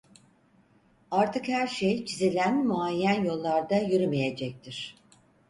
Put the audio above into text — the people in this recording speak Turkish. Artık her şey çizilen muayyen yollarda yürümeyecektir.